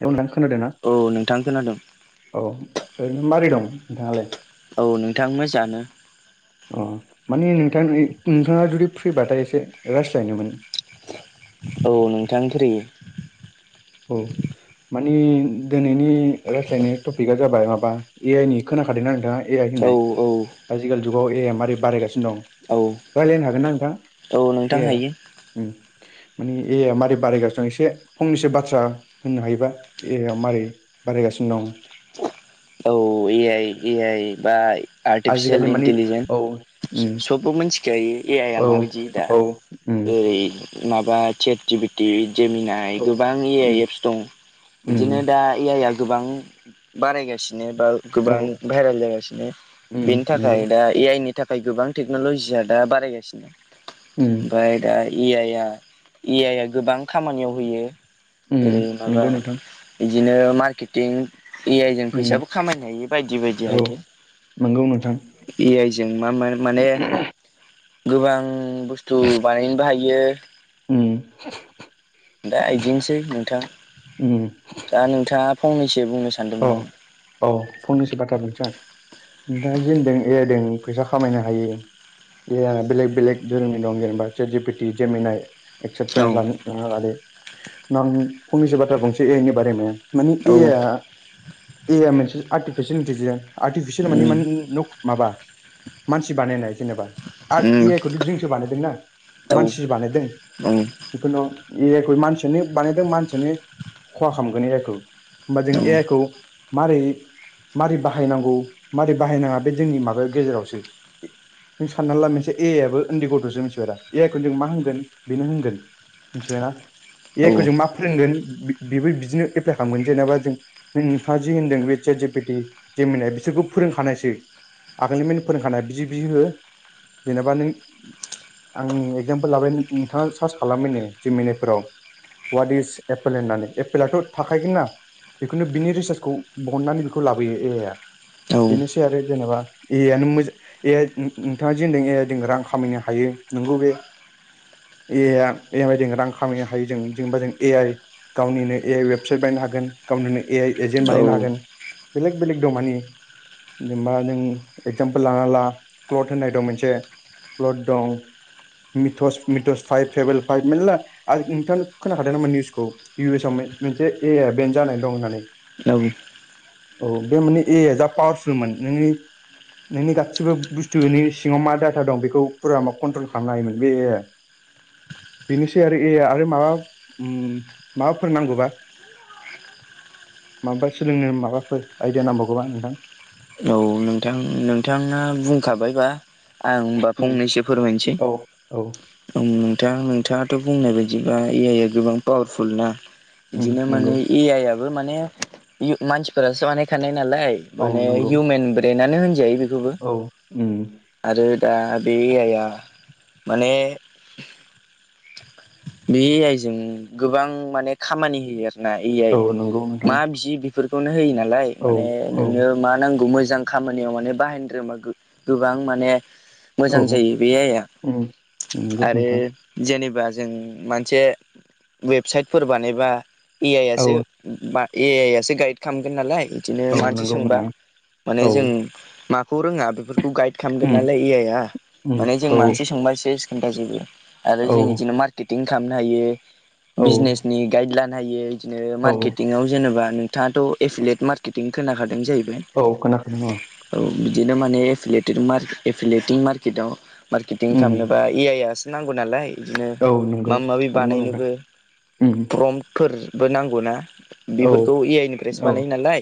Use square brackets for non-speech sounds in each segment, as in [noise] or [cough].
दे अब्ला औ नोंथां खोनादों। औ ओरैनो माबोरै दं नोंथाङालाय? औ नोंथां मोजाङानो। अ मानि नोंथां नो-नोंथाङा जुदि फ्रिबाथाय एसे रास्लायनोमोन। औ नोंथां फ्रि। औ। मानि दिनैनि रायज्लायनाय टपिकआ जाबाय माबा ए आइ नि खोनाखादोंना नोंथाङा? ए आइ औ होननाय औ आजिखालि जुगाव ए आइआ मारै बारायगासिनो दं औ रायलायनो हागोन ना नोंथां? औ नोंथां ए हायो उम माने ए आइया मारै बारायगानो दं एसे फंनैसो बाथ्रा ओ होननो हायोबा देहाया मारै बारायगासिनो दं औ ए आइ ए आइ बा आजिखालि आर्टिफिसियेल मानि इन्टिलिजेन औ उम सबबो मिथिखायो ए आइ औ आ माबायदि दा औ उम ओरै माबा चेट जिफिटि जेमिनाय औ गोबां ए उम आइ एप्स दं उम बिदिनो दा ए आइ आ गोबां बारायगासिनो बा गोबां औ भाइरेल जागासिनो उम बेनि नंगौ थाखाय दा ए आइ नि नि थाखाय गोबां टेक्न'लजिया दा बारायगासिनो। उम। ओमफ्राय दा ए आइ आ ए आइ आ गोबां खामानियाव होयो। ओरै उम माबा नंगौ नोंथां बिदिनो मार्केटिं ए आइ जों उम फैसा खामायनो हायि बायदि बायदि औ हायो नंगौ नोंथां ए आइजोंों मा माने गोबां बुस्थु बानायनोबो हायो। उम दा इदिनोसै नोंथाङा उम दा नोंथाङा फंनैसो बुंनो औ सानदोंमोन नामा? औ फंनैसो बाथ्रा बुंसां। नोंथाङा जे होनदों ए आइ दों फैसा खामायनो हायो। ए आइ आ बेलेग बेलेग धोरोमनि दं जेनेबा set P T Gemini etcetera औ लानो लादो नों फंनैसो बाथ्रा बुंनोसै ए आइ नि बारे नो मानि औ ए आइ आ ए आइ आ मोनसे आर्टिफिसियेल इन्टिलिजेन्स आर्टिफिसियेल उम माने नो माबा मानसि बानायनाय जेनेबा आर उम ए आइ खौ बिदजों बानायदोंना मानसिसो बानायदों। उम। जिखुनु ए आइखौ मानसियानो बानायदों मानसियानो खहा खालामगोन ए आइ खौ होमबा जों ए आइ खौ मारै मारै बाहायनांगौ मारै बाहायनाङा बे जोंनि माबायाव गेजेरावसो। नों साननानै ला मोनसे ए आइ आआबो उन्दै गथ'सो मिथिबाय दा ए आइ खौनो जों मा होनगोन बेनो होनगोन। मिथिबायना ए आइ खौ जों मा फोरोंगोन बेबो बिदिनो एप्लाइ खालामगोन जेनेबा जों नोंथाङा जि होनदों बे चेट जिपिटि जेमिनाय बिसोरखौ फोरोंखानायसै। आगोलनि मेन फोरोंखानाय बिदि बिदि हो जेनेबा नों आंनि एगजामफोर लाबाय नोंथाङा सार्च खालामबायनो जेमिनायफोराव वाट इज एपेल होननानै एपलाथ' थाखायगोन ना। खुनु बिनि रिसार्चखौ बहननानै बेखौ लाबोयो ए आइ आ औ बेनोसै आरो जेनेबा ए आइयानो मोजां ए आइ नो- नोंथाङा जेदों ए आइ दों रां खामायनो हायो नोंगौ बे ए आइया [unintelligible] बायदिजों रां खामायनो हायो जों जेनेबा जों ए आइ गावनिनो ए आइ वेबसाइट बानायनो हागोन गावनिनो ए आइ एजेन्ट बानायनो हागोन। बेलेग बेलेग दं मानि जेनेबा नों एगजामपोल लाना ला क्लथ होननाय दं मोनसे क्लथ दं मिथस मिथस फाइभ फेबोल फाइभ मेलला आरो नोंथां खोनाखादों नामा निउसखौ इउ एस आव मेन मोनसे ए आइ बेन जानानै दं होननानै नौ औ बे माने ए आ जा पावारसुलमोन नोंनि नोंनि गासिबो बुस्थुनि सिङाव मा डाटा दं बेखौ फुरा मा कन्ट्रल खालामनो हायोमोन बे ए आइ आ बेनोसै आरो ए आरो माबा उम माबाफोर नांगौबा माबा सोलोंनो माबाफोर आइडिया नांबावगौबा नोंथां औ नोंथां नोंथाङा बुंखाबायबा आं होनबा उम फंनैसो फोरमायनोसै औ नोंथां नोंथाङाथ' बुंनाय बायदिबा ए आइ आ गोबां पावारफुल ना उम बिदिनो नंगौ माने ए आइ आबो माने मानसिफोरासो बानायखानाय नालाय औ माने नंगौ मेन ब्रेनानो होनजायो बेखौबो औ उम आरो दा बे ए आइ या माने बे आइजें गोबां माने खामानि होयो आरोना ए औ आइ नंगौ नोंथां मा बिदि बेफोरखौनो होयो नालाय औ माने औ नोङो मा नांगौ मोजां खामानियाव माने बाहायनो रोंबा गोबां माने औ मोजां जायो बे आइआ उम नंगौ आरो नोंथां जेनेबा जों मोनसे वेबसाइटफोर बानायोबा ए आइ औ आसो बा एआइयासो गाइद खालामगोन नालाय बिदिनो औ मानसि नंगौ सोंबा नोंथां माने औ जों माखौ रोङा बेफोरखौ गाइड खालामगोन उम नालाय ए आइ आ उम माने जों औ मानसि सोंबा सेस खोनथा जोबो आरो औ जों बिदिनो मा मारकेटिं खालामनो हायो औ बिजनेसनि गाइद लानो हायो बिदिनो औ मार्केटिंआव जेनेबा नों थाङाथ' एफिलेट मार्केटिं खोनाखादों जाहैबाय औ खोनाखादों औ औ बिदिनो मानेे एफेलेथि मार एफिलिटिं मार्केटआव मार्केटिं उम खालामनो बा ए आइआसो नांगौ नालाय बिदिनो औ नंगौ माबा माबि नंगौ नोंथां बानायनोबो उम फ्रमफोरबो नांगौ ना औ बेफोरखौ ए आइ निफ्रायसो औ बानायो नालाय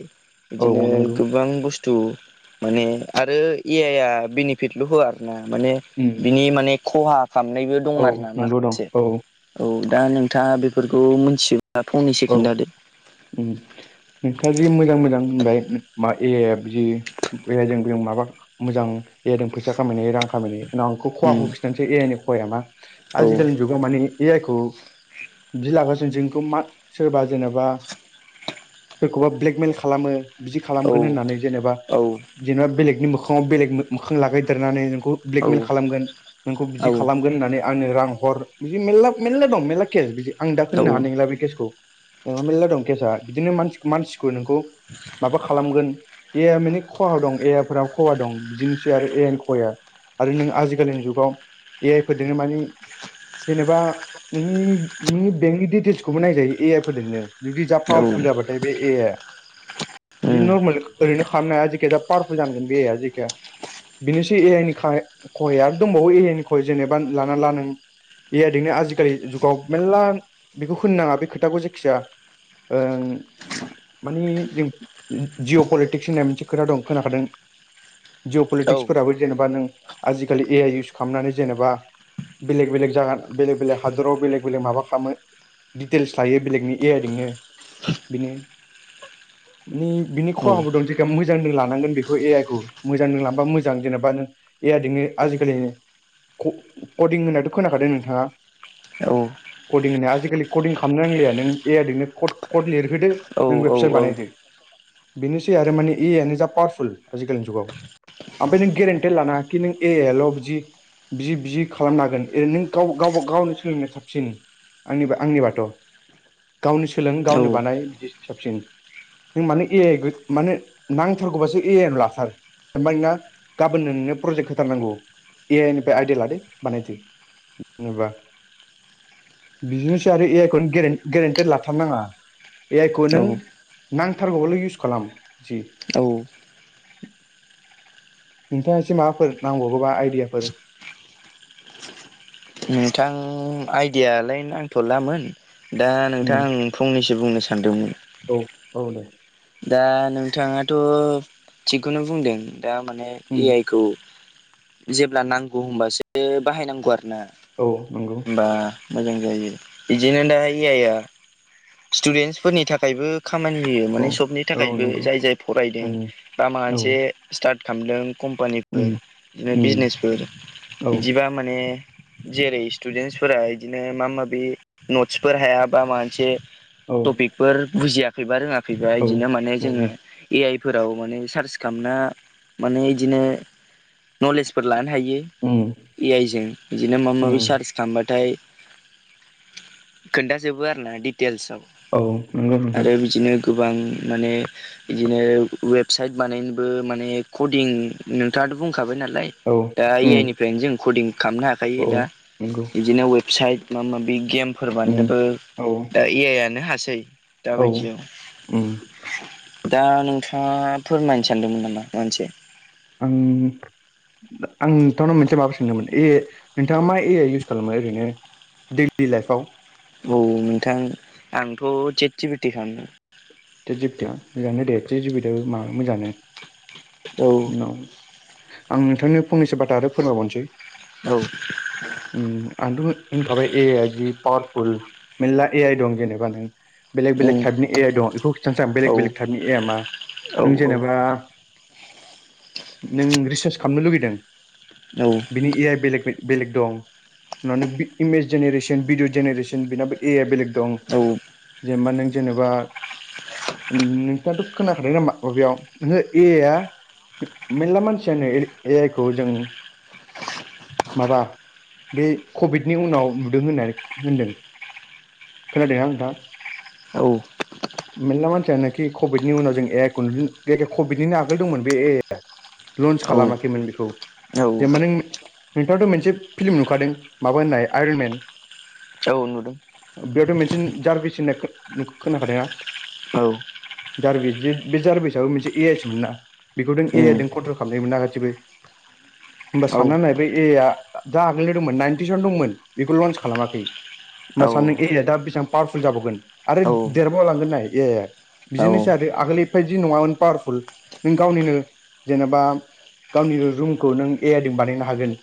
औ बिदिनो नंगौ गोबां बुस्थ थु माने आरो ए आइ आ बेनिफिटल' होआ आरो ना माने उम बिनि माने खहा खालामनायबो दं औ आरो ना नोंगौ दं माखासे औ औ दा नोंथाङा बेफोरखौ मिथियोबा फंनैसो औ खिनथादो उम नोंथाङा जि मोजां मोजां होनबाय मा ए आइआबो जि ए आइ जों बेयाव माबा मोजां ए आइदों फैसा खामायनाय रां खामायनाय उनाव आंखौ उम खहाखौ खिथा ए आइ नि खहाया मा औ आजिखालिनि जुगाव माने ए आइ खौ बिदि लाग्रा जों जोंखौ मा सोरबा जेनेबा खौबा ब्लेकमेल खालामो बिदि औ खालामगोन होननानै जेनेबा जेनेबा बेलेगनि मोङाव बेलेग मोखां लागायदेरनानै खो औ ब्लेग मेल खालामगोन नोंखौ औ बिदि खालामगोन होननानै आंनो रां हर बिदि मेरला मेलला दं मेरला केस बिदि आं दा औ खोननो उम हानाय नोंला बे केसखौ ओ मेर्ला दं केसा बिदिनो मानसि मानसिखौ नोंखौ माबा खालामगोन ए आ माने खहा दं ए आ फोराबो खहा दं बिदिनो थिया आरो ए आइनि खहाया आरो नों आजिखालिनि जुगाव ए आइ फोरजोंनो मानि जेनेबा नोंनि नोंनि बेंकनि डिटेल्सखौबो नायजायो ए आइ फोरजोंनो जुदि जा औ पावारफुल जाबाथाय बे ए आइ आ बिदि नरमेल ओरैनो खालामनो हाया जेखिजा पावारफुरफुल जानांगोन बेरा जेखिया बिनोसै ए आइ नि खा खहाया आरो दंबावो ए आइ नि खहह जेनेबा लाना ला नों बेबायदिनो आजिखालि जुगाव मेरला बेखौ होनो नाङा बे खो थाखौ जेखिजाया ओं माने जों जिअ' पलिटिक्स होननाय मोनसे खोथा दं खोनाखादों। जिअ' पलिटिक्सफोराबो जेनेबा नों आजिखालि ए आइ इउसु खालामनानै जेनेबा बेलेग बेलेग जागा बेलेग बेलेग हादराव बेलेग बेलेग माबा खालामो दिडिटेल्स थायो बेलेकनि ए आइ जोंनो बिनो बिनि खहाबो दं। मोजांनो लानांगोन बेखौ ए आइ खौ मोजांजों लांबा मोजां जेनेबा नों ए आइदोंनो आजिखालि क कदिं होननायथ' खोनाखादों नोंथाङा? कदिं आजिखालि कडिंखौ हामनो नांलिया नों ए‌ आइजोंनो क कट लिरहोदो नों वेबसाइट बानायदो। बेनोसै आरो माने ए आइ आनो जा पावारफुल आजिखालिनि जुगाव। ओमफ्राय नों गेरेन्टि लानांयाखि नों ए आइल' बिदि बिजि बिजि खालामनो हागोन ए नों गाव गावबा गावनो सोलोंनाया साबसिन आंनि आंनि बाथ'। गावनो सोलों गावनो बानाय बिदि साबसिन। नों माने ए आइखो माने नांथारगौबासो ए आइ लाथार। ओमफ्राय नोंङा गाबोननो नोंनो प्रजेक्ट होथारनांगौ ए आइ निफ्राय आइडिया लादो बानायदो। जेनेबा बिदिनोसै आरो ए आइ गेरेन्ट गेरेन्टे लाथारनााङा ए औ आइखौनो नांथारगौबाल' इउस खालाम जि औ नोंथाङा एसे माबाफोर नांबावगौबा आइदियाफोर नोंथां आइडियालाय नांथ'लामोन दा उम नोंथां फंनैसो बुंनो सानदोंमोन। औ औ दे दा नोंथाङाथ' थिगखौनो बुंदों दा माने उम ए आइखौ जेब्ला नांगौ होनबासो बाहायनांगौ आरो ना। औ नंगौ होनबा मोजां जायो। बिदिनो दाहाय ए आइआ स्टुदेन्सफोरनि थाखायबो खामानि होयो माने औ सबनि औ थाखायबो नंगौ जाय जाय फरायदों उम बा माबा औ मोनसे स्टार्ट खालामदों कम्पानिफोर उम बिदिनो उम बिजनेसफोर औ बिदिबा माने जेरै स्टुदेन्सफोरा बिदिनो मा माबि नटसफोर हायाबा मा मोनसे औ बेफोर बुजियाखैबा रोङाखैबा औ बिदिनो माने जोङो उम ए आइफोराव माने सार्च खालामना माने बिदिनो नलेजफोर लानो हायो उम ए आइजों बिदिनो माबा माबि उम सार्च थांबाथाय खोन्थाजोबो आरो ना डिटेल्साव औ नंगौ नोंथां आरो बिदिनो गोबां माने बिदिनो वेबसाइट बानायनोबो माने कदिं नोंथाङाथ' बुंखाबाय नालाय। औ दा ए उम आइनिफ्रायनो जों कदिं खालामनो औ हाखायो दा नंगौ बिदिनो वेबसाइट माबा माबि गेमफोर उम बाननोबो औ दा ए आइयानो हासै औ दाबायदियाव उम दा नोंथाङा फोरमायनो सानदोंमोन नामा माबा मोनसे? आं आं नोंथांनाव मोनसे माबा सोंदोंमोन ए नोंथाङा मा ए आइ उयुस खालामो ओरैनो? दैलि लाइफाव औ नोंथां आंथ' सेतजिभेथि खालामो। सेतजिभितिया मोजाङानो दे सेतजिभितियाबो मा मोजाङानो उनाव आं नोंथांनो फंनैसो बाथा आरो फोरमायबावनोसै। औ उम आंथ होनखाबाय ए आइया जि पावारफुल मेरला ए आइ दं जेन'बा नों बेलेग बेलेग उम टाइपनि ए आइ दं बेखौ खिथानोसै आं औ बेलेग बेलेग टाइपनि ए आ मा? औ नों जेनेबा नों रिसार्च खालामनो लुुबैदों? औ। बिनि ए आइ बेलेग बेलेग दं। होननानै इमेज जेनेरेसन भिडिअ जेनेरेसन बेनाबो ए बेलेग दं जेनेबा नों जेनेबा [inaudible] नोंथाङाथ' खोनाखादों नामा? बबेयाव नोङो ए आ मेरला मानसियानो ए आइ खौ जों माबा बे कभिडनि उनाव नुदों होननानै होनदों। खोनाया नोंथां। औ। मेरला मानसियानोखि कभिडनि उनाव जों ए खन्दु जखे कभिडनिनो आगोल दंमोन बे ए लन्स औ खालामाखैमोन बेखौ। औ जेनेबा नों नोंथाङाथ' मोनसे फिल्म नुखादों माबा होननाय आयरनमेन औ नुदों। बेयावथ' मोनसे जारबिस होननाय खोनाखादों ना? औ। जार्बिस बे जार्बिसाबबो मोनसे एएइसमोन ना? बेखौ नों ए उम आइ जों कन्ट्रल खालामनाय मोनना गासिबो होमबा औ सानना नाय बे ए आइ दा आगोलनि दंमोन नाइनटिसन दंमोन। बेखौ लन्स खालामाखै। होमबा औ सानद एरिया दा बेसेब पावारफुल जाबावगोन आरो उम देरबावलांगोन नाय ए औ औ बिदिनोसै आरो आगोल एबायदि नङामन पावारफुल नों गावनिनो जेनेबा गावनि रुमखौ नों एआइदों बानायनो हागोन।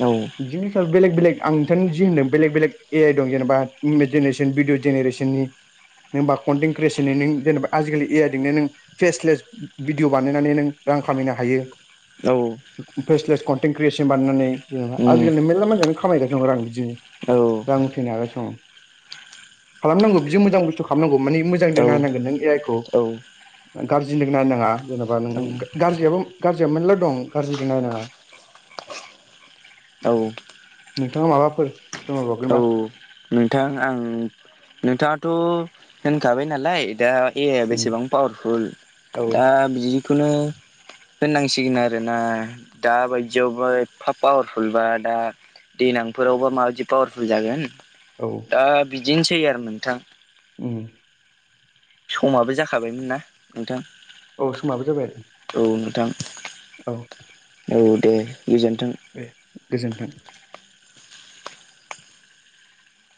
औ। बिदिनो सार बेलेग बेलेग आं नोंथांनि जि होनदों बेलेग बेलेग ए आइ दं जेनेबा इ जेनेरेसन भिडिअ जेनेरेसन नि नोंबा कन्टेन्ट क्रियेसनै नों जेनेबा आजिखालि ए आइदिंनो नों केसलेस भिडिअ' बानायनानै नों रां खामायनो हायो। औ। फेसलेस कन्टेन्ट क्रियेसन बानायनानै जेनेबा आजिलि मेरला मानसिानो खामायगासिनो आरो आं बिदिनो रां उथैनो हागासिनो खालामनांगौ बिदि मोजां बुस्थु खालामनांगौ। मानि मोजां रनानांगोन नों ए आइ खौ गाज्रिजों नायनाङा जेन'बा नों ग्रियाबो गाज्रिया मोनला दं गाज्रिजों नायनाङा। [inaudible] औ। नोंथाङा माबाफोर औ फोरमायबावगोनबा? नोंथां आं नोंथाङाथ' होनखाबाय नालाय दा ए उम, बेसेबां पावारफुल औ दा बिदिखौनो होननांसिगोन आरोना दा बायदियावबो एफा पावारफुलबा दा दैलांफोरावबा माबायदि पावारफुल जागोन। औ। दा बिदिनोसै आरो नोंथां। उम ‌। समाबो जाखाबायमोन ना नोंथां। औ समाबो जाबायलै। औ नोंथां। औ। औ दे गोजोन्थों। बे गोजोन्थों।